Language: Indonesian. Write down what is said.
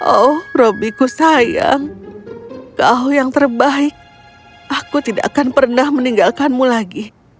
oh robiku sayang kau yang terbaik aku tidak akan pernah meninggalkanmu lagi